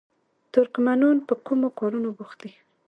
ترکمنان په کومو کارونو بوخت دي؟